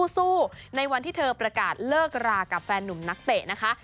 สู้ในวันที่เธอประกาศเลิกรากับแฟนหนุ่มนักเตะนะคะ